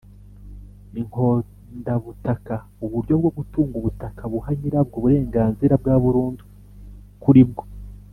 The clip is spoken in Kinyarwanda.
Inkondabutaka: uburyo bwo gutunga ubutaka buha nyirabwo uburenganzira bwa burundu kuri bwo;